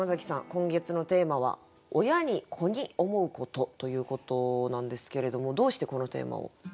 今月のテーマは「親に、子に思うこと」ということなんですけれどもどうしてこのテーマを？